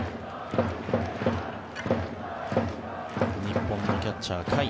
日本のキャッチャー、甲斐。